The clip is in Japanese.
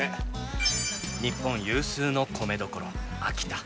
日本有数の米どころ秋田。